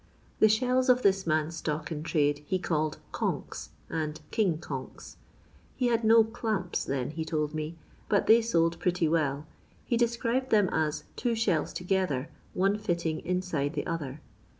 The shells of this man's stock in trade he called conks" and " king conks." He had no *' clamps" then, he told me, but they sold pretty well ; he described them as *' two shells together, one fitting inside the other."